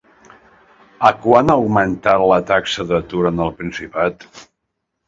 A quant ha augmentat la taxa d'atur en el Principat?